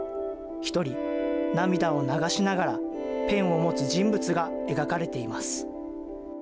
一人涙を流しながら、ペンを持つ人物が描かれています。